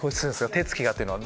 手つきっていうのは。